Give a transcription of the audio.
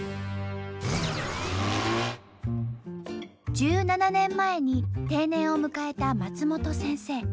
１７年前に定年を迎えた松本先生。